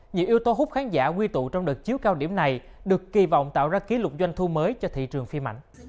nhiều yếu tố hút khán giả quy tụ trong đợt chiếu cao điểm này được kỳ vọng tạo ra kỷ lục doanh thu mới cho thị trường phim ảnh